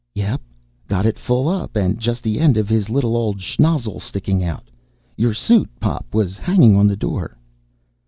"Yep. Got it full up and just the end of his little old schnozzle sticking out. Your suit, Pop, was hanging on the door."